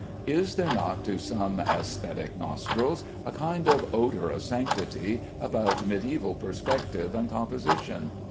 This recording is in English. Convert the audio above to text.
Is there not to some æsthetic nostrils a kind of odor of sanctity about mediæval perspective and composition?